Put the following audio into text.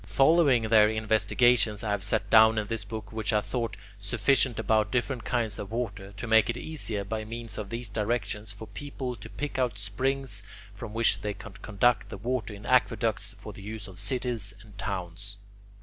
Following their investigations, I have set down in this book what I thought sufficient about different kinds of water, to make it easier, by means of these directions, for people to pick out springs from which they can conduct the water in aqueducts for the use of cities and towns.